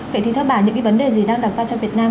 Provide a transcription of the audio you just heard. vậy thì thưa bà những vấn đề gì đang đặt ra cho việt nam